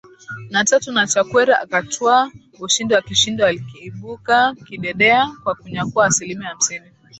na tatu na Chakwera akatwaa ushindi wa kishindo akiibuka kidedea kwa kunyakua asilimia hamsini